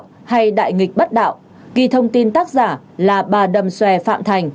thế thiên hành đạo hay đại nghịch bất đạo ghi thông tin tác giả là bà đầm xòe phạm thành